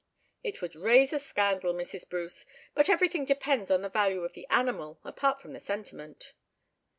"It would raise a scandal, Mrs. Bruce; but everything depends on the value of the animal, apart from the sentiment."